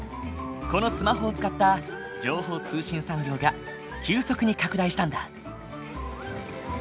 このスマホを使った情報通信産業が急速に拡大したんだ。